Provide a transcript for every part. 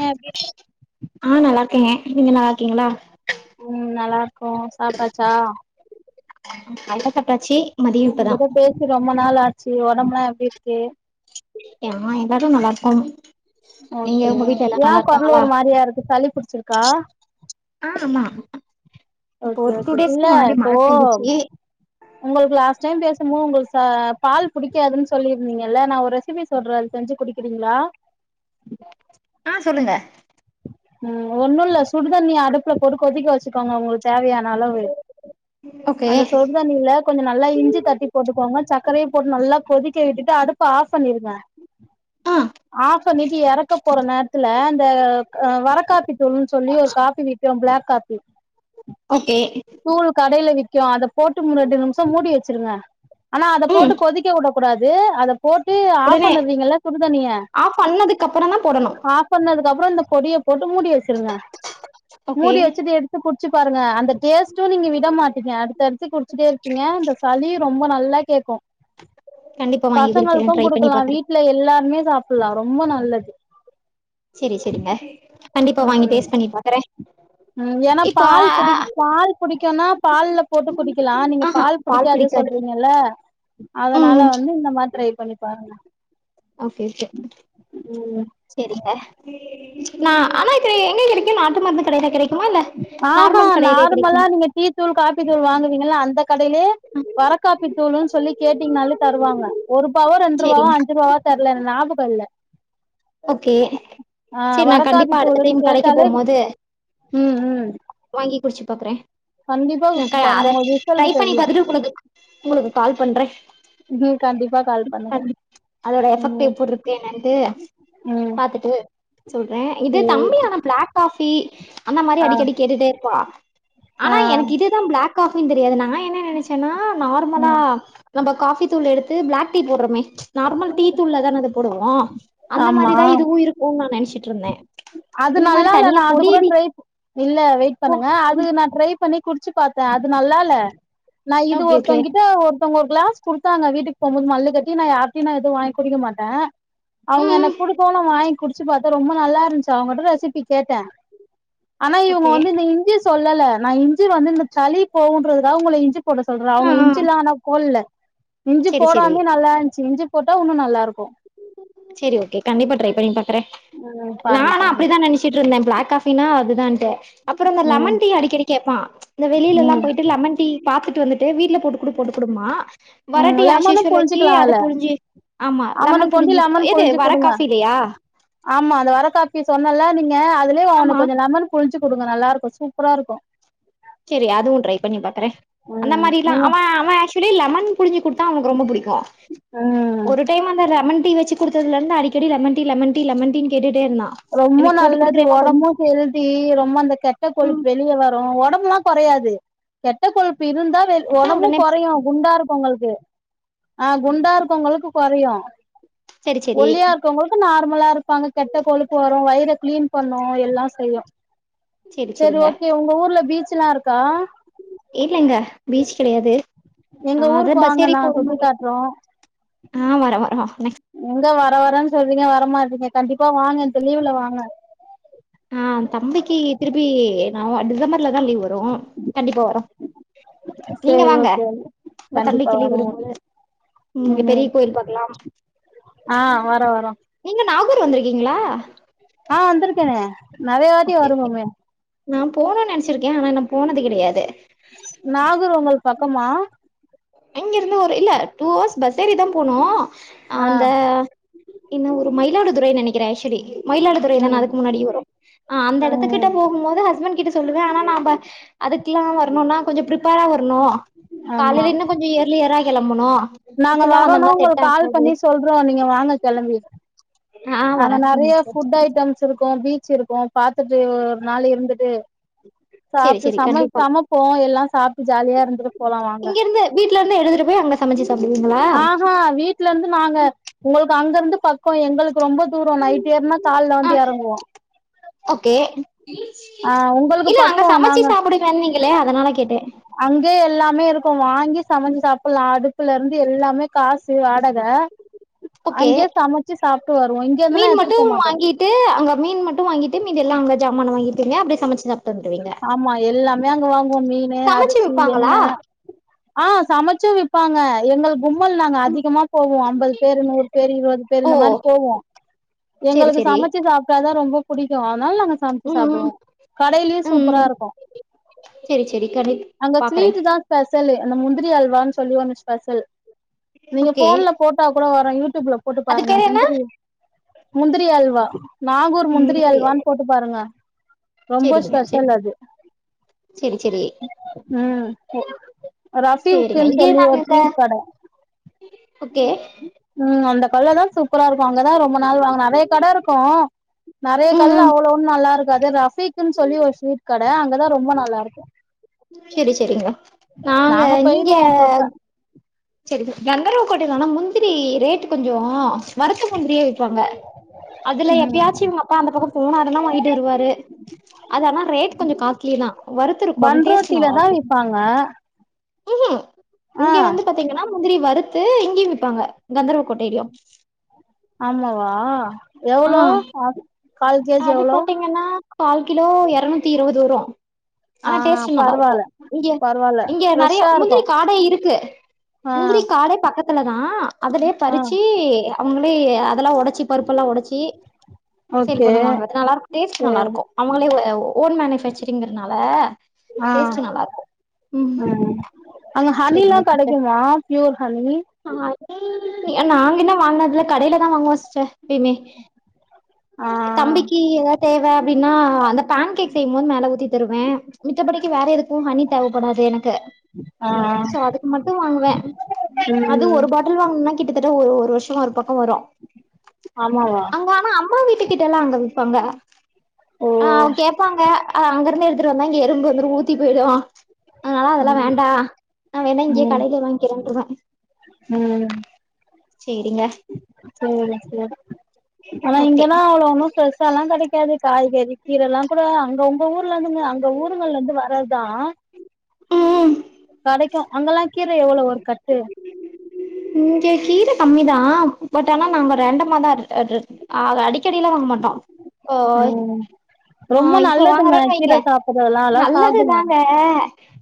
ஆ [inaudible] ஆ நல்லா இருக்கேங்க நீங்க நல்லா இருக்கீங்களா ம் நல்லா இருக்கோ சாப்டாச்சா அண்ண சாப்டாச்சி உ கிட்ட பேசி ரொம்ப நாள் ஆச்சு ஒடம்புலா எப்டி இருக்கு ஆ எல்லாரு நல்லா இருக்கோம் நீங்க ஓகே உங்க வீட்ல எல்லா ஏ நல்லா கொரல் இருக்காங்களா ஒரு மாரியா இருக்கு சளி புடிச்சிருக்கா ஆமா இப்போ ஓகே ஒரு டூ ஓகே இல்ல டேஸ்க்கு முன்னாடி போ மழ பெஞ்சுச்சு உங்களுக்கு லாஸ்ட் டைம் பேசும்போது உங்களுக்கு பால் புடிக்காதுன்னு சொல்லியிருந்தீங்கல்ல நா ஒரு ரெசிபி சொல்ற அது செஞ்சு குடிக்கறீங்களா ஆ சொல்லுங்க ம் ஒண்ணு இல்ல சுடுதண்ணிய அடுப்புல போட்டு கொதிக்க வச்சுக்கோங்க உங்களுக் தேவையான அளவு ஓகே அந்த சொடு தண்ணில கொஞ்ச நல்லா இஞ்சி தட்டி போட்டுக்கோங்க சக்கரைய போட்டு நல்லா கொதிக்க விட்டுட்டு அடுப் அடுப்ப ஆஃப் பண்ணிடுங்க ஆ ஆஃப் பண்ணிட்டு எறக்க போற நேரத்துல அந்த அ வர காப்பி தூள்னு சொல்லி ஒரு காபி விக்கு பிளாக் காபி ஓகே தூள் கடைல விக்கு அத போட்டு ரெண்டு நிமிசோ மூடி வச்சிருங்க ஆனா அத போட்டு ம் கொதிக்க உட கூடாது அத போட்டு ஆஃப் உடனே பண்ணறீங்க லா சுடுதண்ணிய ஆஃப் பண்ணதுக்கு அப்புறோ தா போடணு ஆஃப் பண்ணதுக்கு அப்புறோ இந்த பொடிய போட்டு மூடி வச்சிருங்க ஓகே மூடி வச்சுது எடுத் து குட்ச்சு பாருங்க அந்த டேஸ்ட்டு நீங்க விட மாட்டிங்க அ தடுத்து குடிச்சுட்டே இருப்பீங்க இந்த சளி ரொம்ப நல்லா கேக்கு கண்டிப்பா வாங்கி குடிக்கிறே பசங்களுக்கு ட்ரை பண்ணி குடுக்கலா பாக்குறே வீட்ல எல்லாருமே சாப்பல்லா‌ ரொம்ப நல்லது சரி சரிங்க கண்டிப்பா வாங்கி ம் டேஸ்ட் பண்ணி பாக்கற ம் ஏன்னா பால் புடி பால் புடிக்குன்னா பால்ல போட்டு குடிக்கலா நீங்க ஆஹா பால் புடிக்காது பிடிக்காது சொல்றீங்கல்ல அதனால ம் வந்து இந்த மாரி ட்ரை பண்ணி பாருங்க ஓகே [unintelligible] ம் சரிங்க ந ஆனா இது எங்க கெடைக்கு நாட்டு மருந்து கடைல கெடை ஆஹா நார்மலா நீங்க டீ தூள் காப்பி தூள் வாங்குவீங்கா அந்த கடைலே வர காப்பி தூள்னு சொல்லி கேட்டிங்கனாலே தருவாங்க ஒருபாவோ ரெண்ருவாவோ செரிங்க அஞ்சுருவாவா தர்ல ஞாபகோ இல்ல ஓகே ஆ சரி நா வரக்காப்பி கண்டிப்பா அடுத்த தூளுன்னு டைம் கடைக்கு கேட்டாலே போம் மோது ம் ம் வாங்கி குடிச்சு பாக்குற கண்டிப்பா குடிச்சு அத பாருங்க உங்களுக்கு ரிசல்ட் ட்ரை பண்ணி தெரியு பாத்துட்டு உங்களுக்கு உங்களுக்கு கால் பண்ற ம் கண்டிப்பா கால் பண்ணுங்க அதோட எஃபெக்ட் ம் எப்டி இருக்கு என்னன்டு ம் பாத்துட்டு சொல்ற இது தம்பி ஆனா பிளாக் காஃபி அந்த மாரி அடிக்கடி கேட்டுட்டே இருப்பா ஆ ஆனா எனக்கு இதுதா ப்ளக் காஃபினு தெரியாது நா என்ன நெனச்சன்னா நார்மலா ம் நம்ம காஃபி தூள் எடுத்து ப்ளக் டீ போடுறமே நார்மல் டீ தூள்ல தான அது போடுவோ அந்த மாரிதா ஆமா இதுவு இருக்குன் நா நனச்சிட்டு இருந்த அது நல்லால்ல நா அது கூட ட்ரைப்பு இல்ல வெய்ட் பண்ணுங்க அது நா ட்ரை பண்ணி குடிச்சு பாத்த அது நல்லால்ல நா இது ஓகே ஓகே ஒருத்தங்கிட்ட ஒரு ஒருத்தங்க ஒரு க்ளஸ் குடுத்தங்க வீட்டுக்கு போம்போது மல்லு கட்டி நா யார்கிட்டயு நா எது வாங்கி குடிக்க மாட்ட அவங்க ம் என்ன ம் குடுக்கவு நா வாங்கி குடிச்சி பத்தா ரொம்ப நல்லா இருஞாச்சி அவங்கிட்ட ரெசிபி கேட்ட ஆனா இவங்க ஓகே வந்து இந்த இஞ்சி சொல்லல நா இஞ்சி வந்து இந்த சளி போகுன்றதுக்காக உங்கள இஞ்சி போட சொல்ற ஆ அவங்க ஆ இஞ்சிலா ஆனா போட்ல இஞ்சி செரி செரி போடாமே நல்லா இருஞ்ச்சி இஞ்சி போட்டா உன்னு நல்லா இருக்கு சேரிஓகே கண்டிப்பா ட்ரை பண்ணி பாக்கற ம் நா பாருங்க ஆனா பாருங்க அப்டி தா நனச் சிட்டு இருந்த ப்ளக் காஃபினா அதுதான்ட்டு அப்புறோ இந்த ம் லமன் டீயு அடிக்கடி கேப்பா இந்த வெளிலல்லா ம் போய்ட்டு லமன் டீ பாத்துட்டு வந்துட்டு வீட்ல போட்டுக் குடு போட்டு குடும்பா ம் வரட்டி அஸ் லெமனு யூஸ்வல் வச்சி புழிஞ்சுக்கலா அத அதுல புழிஞ்சி ஆமா லமன் அவனுக்கு ஒண்டி புழிஞ்சி லெமன் எது புழிஞ்சு வர குடுங்க காஃபில்லையா ஆமா அந்த வர காஃப்பி சொன்னல்ல நீங்க அதலயே அவன ஆமா கொஞ்சோ லமன் புழிச்சி குடுங்க நல்லா இருக்கு சூப்பரா இருக்கு சேரி அதுவு ட்ரை பண்ணி பாக்குற அந்த ம் மாரிிலா நீங்க அவ அவ தோழி லமன் புழிஞ்சி குடுத்தா அவனுக்கு ரொம்ப புடிக்கு அ ஒரு டைம் அந்த லமன் டீ வச்சி குடுத்ததுல இருந்து அடிக்டி lemon tea lemon tea lemon tea னு கேட்டுட்டே இருந்தா ரொம்ப எனக்கு போட்டு நல்லது குடுக்குறியாமா கொஞ்சோ ஒடம்பு ஹெத்தி ரொம்ப அந்த கெட்ட ம் கொழுப்பு வெளிய வரு ஒடம்புலா கொறையாது கெட்ட கொழுப்பு இருந்தா வேல் ஒடம்பு உடனே கொறையு குண்டா இருகவங்களுக்கு ஆ குண்டா இருக்கவங்களுக்கு கொறையு செரி செரி ஒல்லியார் இருக்கவங்களுக்கு நார்மலா இருப்பாங்க கெட்ட கொழுப்பு வரு வயிற க்ளீன் பண்ணு எல்லா செய்யு செரி ஓக்கே உங்க ஊர்ல பீசல்லா இருக்கா இல்லங்க பீச் கெடையாது ஆ எங்க அத ஊருக்கு பஸ் வாங்க ஏறி நா போற சுத்தி மாறி இருக்கு காட்றோ ஆ வரவா எங்க வர வரேன் சொல்றீங்க வரமாட்றீங்க கண்டிப்பா வாங்க இந்த லீவு்ல வாங்க ஆ தம்பிக்கு திருப்பி நா டிசம்பர்ல தா லீவ் வரு கண்டிப்பா வரோ நீங்க சேரி வாங்க ஓகே கண்டிப்பா வருவ இங்க பெரிய கோவில் பாக்கலாம் ஆ வரோ வரோ நீங்க நாகூர் வந்திருக்கீங்ளா ஆ வந்தேருக்கன நெறைய வாட்டி வருவோம நானன போணுன் நெனச்சிருக்க ஆனா இன்னு போனது கிடையாது நாகூர் உங்களுக்கு பக்கமா இங்கிருந்து ஒரு இல்ல டூ அவர்ஸ் பஸ் ஏறி தா போனு ஆ அந்த என்ன ஊரு மயிலாடுதுறை நெனைக்கிற ஆச்சுவலி மயிலாடுதுறை தான ம் அதுக்கு முன்னாடி வரு அந்த ம் எடத்த கிட்ட போகும் போது ஹஸ்பண்ட் கிட்ட சொல்லுவ ஆனா ந அதுக்குலா வரணுனா கொஞ்சோ பிரிப்பரா வரணு ஆமா காலையிலன்னா இயர்லியரா கெளம்பணு நாங்க வரோனா வந்தோம்னா செட் உங்களுக்கு கால் ஆகாது பண்ணி சொல்றோ நீங்க வாங்க கெளம்பி ஆ அங்க வரே நறைய சிஸ்டர் ஃபுட் ஐட்டம்ஸ் இருக்கு பீச் இருக்கு பாத்துட்டு நாள் இருந்துட்டு சேரி சாப்ட் சேரி சம கண்டிப்பா சமப்போ எல்லா சாப்ட்டு ஜாலியா இருந்திட்டு போலா வாங்க வீட்லிருந்து எடுத்துட்டு போய் அங்க சமைச்சு சாப்டுவீங்ளா ஆஹா வீட்ல இருந்து நாங்க உங்களுக்கு அங்கிருந்து ப க்கோ எங்களுக்கு ரொம்ப தூரோ நைட் ஏறுனா கால்ல ஆ வந்து எறங்குவோ ஓகே ஆ உங்களுக்கு இல்ல அங்க பக்கோ சமச்சி நாங்க சாப்டுவேன்விங்களே அதனால கேட்டேன் அங்கயே எல்லாமே இருக்கு வாங்கி சமச்சி சாப்பல்லா அடுப்புலிருந்து எல்லாமே காசு வாடக ஓகே அங்கயே சமச்சி சாப்ட்டு வருவோ இங்க இருந்தெல்லா எடுத்துட்டு போ மாட்டோ ட்டு அங்க மீன் மட்டு வாங்கிட்டு மீதியெல்லா அங்க ஜாமான் வாங்கிட்டுங்க அப்டியே சமச்சி சா ஆமா எல்லாமே அங்க வாங்குவோ மீனு, சமைச்சு அரிசி, விப்பாங்களா எண்ணெ ஆ சமச்சூ வெப்பாங்க எங்கள் கும்மல் நாங்க அதிமா போவோ அம்பது பேரு நூறு பேரு இருவது பேரு ஓ இந்த மாரி போவோ சேரி எங்களுக்கு சேரி சமச்சு சாப்ட்டாதா ரொம்ப புடிக்கு அதனால நாங்க சமச்சு ம் சாப்டுவோ ம் கடைலயு சூப்பரா ம் இருக்கு சேரி சேரி கண்டிப் அங்க பாக்குறே ஸ்வீட்டுதா ஸ்பெசலு அந்த முந்திரி அல்வான்னு சொல்லி ஒன்னு ஸ்பெசல் நீங்க ஓகே ஃபோன்ல போட்டா கூட வரு யூடியூப்ல போட்டு அது பாருங்க பேரு என்ன முந்திரி முந்திரி அல்வா நாகூர் முந்திரி ம் அல்வான்னு போட்டு பாருங்க ரொம்ப செரிங்க செரி ஸ்பெஷல் அது செரி செரி ம் செரிங்க ரஃபீக்குன்னு இங்கயே சொல்லி நாங்க ஒரு இந்த ஸ்வீட் கட ஓகே ம் அந்த கட்லதா சூப்பரா இருக்கு அங்கதா ரொம்ப நாள் வாங்குவ நெறயா கட இருக்கு நெறயா கட்ல ம் அவ்ளோ ஒன்னு நல்லா இருக்காது ரஃபீக்ன்னு சொல்லி ஒரு ஸ்வீட் கட அங்கதா ரொம்ப நல்லாருக்கு செரி செரிங்க நாங்க இங்க போயிருவோ அப்பப்ப சரிங்க கந்தர்வ கோட்டல ஆனா முந்திரி ரேட்டு கொஞ்சோ வருத்த முந்திரியா விப்பாங்க அதுல ம் எப்யாச்சு இவுங்க அப்பா அந்த பக்கோ போனாருனா வாங்கிட்டு வருவாரு அது ஆனா ரேட் கொஞ்சோ காஸ்ட்லிதா வருத்திருக்கு ஆனா டேஸ்ட்டு நல்லாருக்கு அ ம் இங்க வந்து பாத்தீங்கன்னா முந்திரி வறுத்து இங்கயு விப்பாங்க கந்தர்வக்கோட்டயிலயு ஆமாவா ஆ எவ்ளோ ஆஃப் கால் கேஜி அது எவ்ளோ பாத்தீங்கன்னா கால் கிலோ எரநூத்தி இருவது வரு ஆ ஆனா டேஸ்ட் நல்லா இருக்கு பரவால்ல இங்க பரவால்ல இங்கே நெறயா ஃப்ரெஷ்ஷா இருக்கு முந்திரி காடே இருக்கு ஆ முந்திரி காடே பக்கத் துலதா அதுலயே ஆ பறிச்சி அவுங்களே அதெல்லா ஒடச்சி பருப்பெல்லா ஒடச்சி [inaudible] சேல் ஓகே பண்ணுவாங்க அது நல்லாருக்கு டேஸ்ட்டு சேரி நல்லாருக்கு அவுங்களே அ ஓன் மேனுஃபக்சரிங்கறனால ஆ டேஸ்ட்டு நல்லாருக்கு ம் அங்க ஹனியெல்லா கெடைக்குமா பியூர் ஹனி ஹனி நாங்க இன்னு வாங்கினதில்ல கடயிலதா வாங்குவோ சிஸ்டர் எப்பியுமே ஆ தம்பிக்கி ஏதாது தேவ அப்டின்னா அந்த பேன் கேக் செய்யும்போது மேல ஊத்தி தருவ மித்தபடிக்கி வேற எதுக்கு ஹனி தேவப்படாது எனக்கு ஆ சோ அதுக்கு மட்டு வாங்குவேன் அது ம் ஒரு பாட் டில் வாங்கனுனா கிட்டத்தட்ட ஒரு ஒரு வருஷோ ஒரு பக்கோ வரு ஆமாவா அங்க ஆனா அம்மா வீட்டு கிட்டல்லா அங்க விப்பாங்க ஓ ஆ கே ப்பாங்க அது அங்கிருந்து எடுத்துட்டு வந்தா இங்க எறும்பு வந்துரு ஊத்தி போயிடு அதனால அதெல்லா வேண்டா நா வேனாங்கயே ம் கடயில வாங்கிக்கிறேன்றுவே ம் செரிங்க சேரி சேரி ஆனா ஓகே இங்கலா அவ்ளோ ஒன்னூ ப்ரெஷாலா கெடக்காது காய்கறி கீரலா கூட அங்க ஒங்க ஊர்ல இருந்து க அங்க ஊருங்கல இருந்து வர்றதுதா ம் கெடக்கு அங்கெல்லா கீர எவ்ளோ ஒரு கட்டு இங்க கீர கம்மிதா பட் ஆனா நாங்க ரெண்டமாதா [unintelligible] ஆக அடிக்கடில்லா வாங்க மாட்டோ ஓ ம் ஆ ரொம்ப இப்போ நல்லதுங்க வாங்குறோன்னு வைங்க கீர சாப்பட்றதெல்லா எல்லா நல்லது சாப்டுங்க தாங்க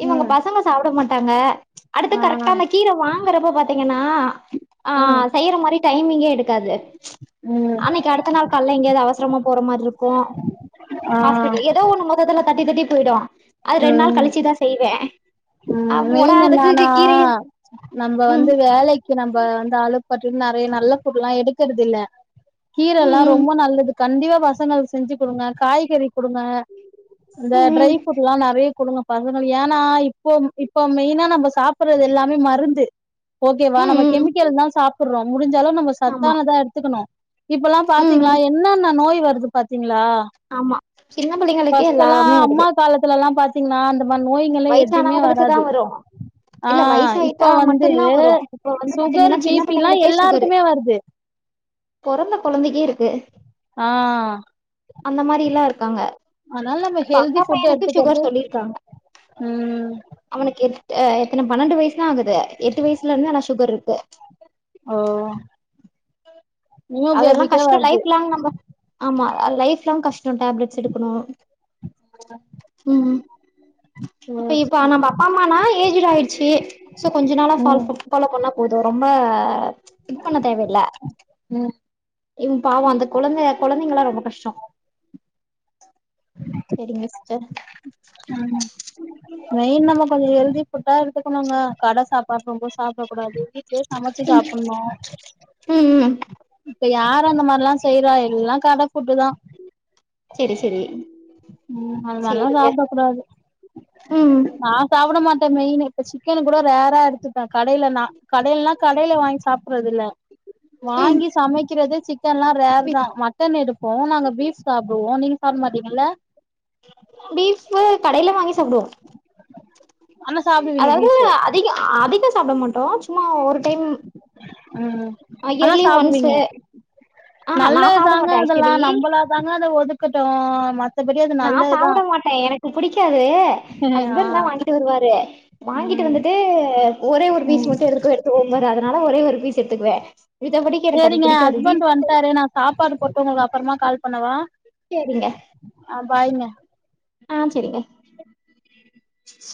இவங்க ம் பசங்க சாப்ட மாட்டாங்க அடுத்து ஆ கரெக்டா அந்த கீர வாங்றப்ப பாத்தீங்கனா த ஆ ம் செய்யற மாரி டைமிங்கே எடு க்காது ம் அன்னிக்கு அடுத்த நாள் கால்ல எங்கேயாது அவசரமா போற மாரி இருக்கு ஆ ஹாஸ்பிட்டல் ஏதோ ஒண்ணு மொத்தத்துல தட்டி தட்டி போயிடு அது ரெண்டு நாள் ம் கழிச்சுதான் செய்வே ஆ மொடா அதுக்குக் கிரையு நம்ப வந்து வேலைக்கு நம்ம வந்து அழுக் பட்டுறும்னு நிறைய நல்ல சட்டை எல்லா எடுக்கறது இல்ல கீரை ம் எல்லா ம் ரொம்ப நல்லது கண்டிப்பா பசங்கங்களுக்கு செஞ்சு கொடுங்க காய்கறி கொடுங்க இந்த ம் ம் ட்ரைப் ஃப்ரூட் எல்லா நிறைய கொடுங்க பசங்கள் ஏன்னா இப்போ இப்போ மெயினா நம்ம சாப்படுறது எல்லாமே மருந்து ஓகே வா ம் நம்ம ம் கெமிக்கலா தா சாப்பிடுறோ முடிஞ்சா அளவு நம்ம ஆமா சத்தானதா எடுத்துக்கணு இப்ப எல்லா ம் பாத்தீங்களா ம் என்னென்ன நோய் வருது பாத்தீங்களா ஆமா சின்ன பிள்ளைங்களுக்கே பர்ஸ்ட் எல்லா எல்லாமே வருது அம்மாக் முற்காலத்துல எல்லா பாத்தீங்கன்னா அந்த மாதிரி நோய்கள்லா எதுமே வயசானவங்களுக்கு தா வராது வரு இல்ல ஆஹ் இப்ப வயசாயிட்டா வந்து மட்டுந்தா வரு இப்ப வந்து சுகர் பாத்தீங்கன்னா சின்ன பிபிலா பிள்ளைங்களுக்கே சுகரு எல்லாருக்குமே வருது பொறந்த கொழந்தைக்கே இருக்கு ஆஹ் அந்த மாதிரி எல்லா இருக்காங்க அதனால நம்ம இப்ப ஹெல்தி அக்கா ஃபுட் பையனுக்கு எடுத்துக்கறது சுகர் சொல்லிருக்காங்க ம் அவனுக்கு எத் ஆஹ் எத்தனை பன்னெண்டு வயசு தா ஆகுது எட்டு வயசுல இருந்தே ஆனா சுகர் இருக்கு ஓ நியூ அதெல்லா பேபிக்கே கஷ்டோ வருது லைஃப் லாங் நம்ம ஆமா அது லைஃலாங் கஷ்ட டேப்லெட்ஸ் எடுக்கணு ம் இப்ப இப்ப ம் நம்ம அப்பா அம்மானா ஏஜ்ட ஆயடுச்சு சோ கொஞ்ச நாளா சால்வ் பண்ண [unintelligible] போல பண்ண போது ரொம்ப இது பண்ண தேவையில்ல ம் ம் பாவம் அந்த கொழந்தை கொழந்தைங்காலா ரொம்ப கஷ்ட சேரிங்க சிஸ் ச [unintelligible] மெயின் நம்ம கொஞ்சோ ஹெல்தி ஃபுட்டா எத்துக்கணும்ங்க கட சாப்பாடுவங்கோ சாப்படக்க கூடாது அ சமச்சு சாப்படணு ம் ம் இப்ப யார அந்த மாதிரி எல்லா செய்யறா எல்லா கட ப ஃபுட்டு தா செரி செரி ம் அது நல்லா சேரிங்க சாப் ம் நா சாப்பிட மாட்டே மெயி இப்ப சிக்கன் கூட ரேரா எடுத்து கடல கடயனா கடில வாங்கி சாப்படறது இல்ல ம் வாங்கி சமக்கிறதே சிக் சிக்கன்லா ரேரு தா மட்டன் எடுப்போ நாங்க பீப் சாப்படுவோ நீங்க சாப்பட மாட்டீங்கல பீஃப் வு கடயில வாங்கி சாப்பிடுவோ ஆனா சாப்டுவீங்க அதாவது பீஃபு அதிக அதிக சாப்பிட மாட்டோ சும்மா ஒரு டைம் ம் ஆனா இயர்லி ஒன்ஸு சாப்டுவீங்க ஆஹா நா சாப்ட நல்லதுதாங்க மாட்ட அதெல்லா [unintelligible] நம்பளா தாங்க அதை ஒதுக்கட்டு [unintelligible] நா சாபுட மாட்டே எனக்கு புடிக்காது ஆ ஹஸ்பண்ட் தா வாங்கிட்டு வருவாரு வாங்கிட்டு ம் வந்துட்டு ஒரே ஒரு பீஸ் ம் மட்டு எதுக்கோ எடுத்துக்கோ ன்னு அதனால ஒரே ஒரு பீஸ் எடுத்துக்குவே எழுத படிக்க எனக்கு அது சேரிங்க பிடிக்காது ஹஸ்பண்ட் [unintelligible] வன்ட்டாரு நா சாப்பாடு போட்டு உங்களுக்கு அப்பறமா கால் பண்ணவா சரிங்க ஆ பாய்ங்க ஆ சரிங்க